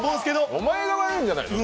お前が悪いんじゃないの？